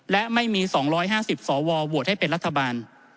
และไม่มี๒๕๐สวโหวตให้เป็นรัฐบาล